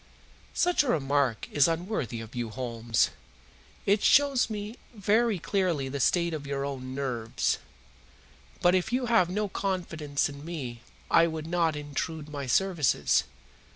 "Such a remark is unworthy of you, Holmes. It shows me very clearly the state of your own nerves. But if you have no confidence in me I would not intrude my services.